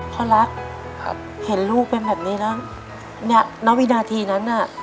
พ่อรักเห็นลูกเป็นแบบนี้ละนอกพินาทีนั้นนะ